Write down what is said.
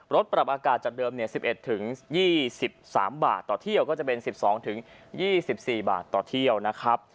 ปรับอากาศจากเดิม๑๑๒๓บาทต่อเที่ยวก็จะเป็น๑๒๒๔บาทต่อเที่ยวนะครับ